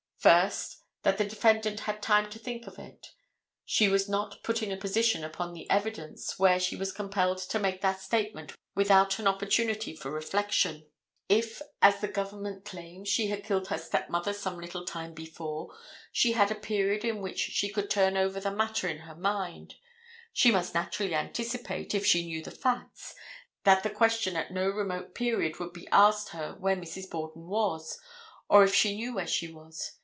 First, that the defendant had time to think of it; she was not put in a position upon the evidence where she was compelled to make that statement without an opportunity for reflection. If as the government claims, she had killed her stepmother some little time before, she had a period in which she could turn over the matter in her mind. She must naturally anticipate, if she knew the facts, that the question at no remote period would be asked her where Mrs. Borden was, or if she knew where she was.